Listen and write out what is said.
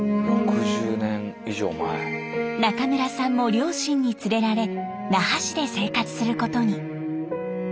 中村さんも両親に連れられ那覇市で生活することに。